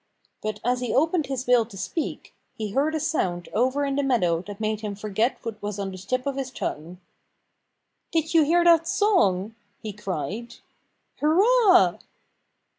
But as he opened his bill to speak he heard a sound over in the meadow that made him forget what was on the tip of his tongue. "Did you hear that song?" he cried. "Hurrah!"